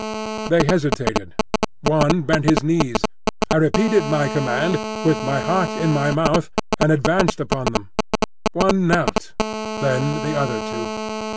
They hesitated. One bent his knees. I repeated my command, with my heart in my mouth, and advanced upon them. One knelt, then the other two.